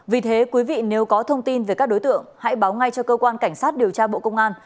vì thế quý vị nếu có thông tin về các đối tượng hãy báo ngay cho cơ quan cảnh sát điều tra bộ công an